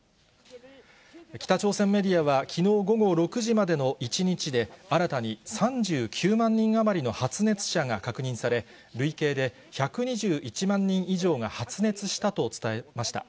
北朝鮮メディアは、きのう午後６時までの１日で、新たに３９万人余りの発熱者が確認され、累計で１２１万人以上が発熱したと伝えました。